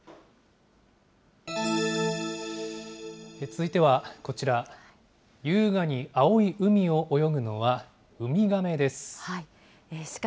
続いてはこちら、優雅に青い海を泳ぐのはウミガメです。